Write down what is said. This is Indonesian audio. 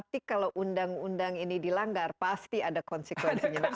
jadi kalau undang undang ini dilanggar pasti ada konsekuensinya